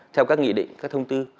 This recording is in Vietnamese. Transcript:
theo các nghị định các thông tư